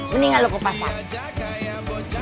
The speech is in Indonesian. mendingan lu ke pasar